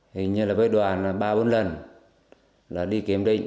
hình như là với đoàn là ba bốn lần là đi kiểm định